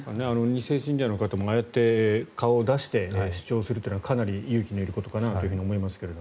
２世信者の方もああやって顔を出して主張するのはかなり勇気のいることかなと思いますが。